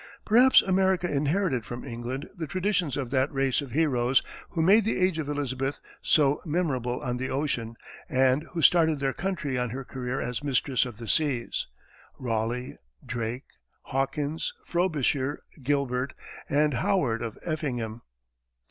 Perhaps America inherited from England the traditions of that race of heroes who made the age of Elizabeth, so memorable on the ocean, and who started their country on her career as mistress of the seas Raleigh, Drake, Hawkins, Frobisher, Gilbert, and Howard of Effingham.